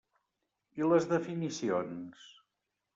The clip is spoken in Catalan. I les definicions?